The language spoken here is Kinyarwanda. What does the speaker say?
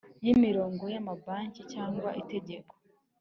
Y imirimo y amabanki cyangwa itegeko